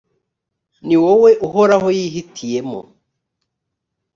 ni wowe uhoraho yihitiyemo,